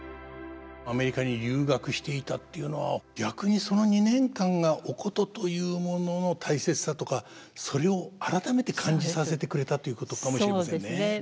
アメリカに留学していたっていうのは逆にその２年間がお箏というものの大切さとかそれを改めて感じさせてくれたということかもしれませんね。